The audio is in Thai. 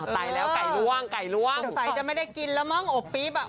ตายแล้วไก่ล่วงไก่ล่วงสงสัยจะไม่ได้กินแล้วมั้งอบปี๊บอ่ะ